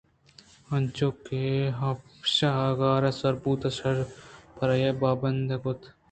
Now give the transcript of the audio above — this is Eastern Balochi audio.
انچو کہ ہپشاہ غارءَسربُوت شیرءَپرآئیءَباہند کُت